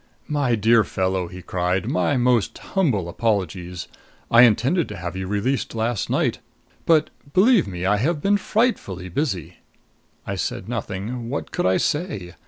"My dear fellow," he cried, "my most humble apologies! I intended to have you released last night. But, believe me, I have been frightfully busy." I said nothing. What could I say?